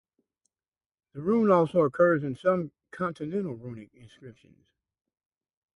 The rune also occurs in some continental runic inscriptions.